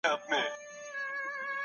او پوښتنې نه ختمېږي هېڅکله.